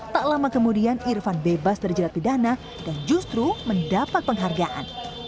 tak lama kemudian irfan bebas dari jerat pidana dan justru mendapat penghargaan